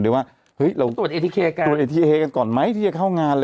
ตรวจเอทีเคยกันก่อนไหมที่จะเข้างาน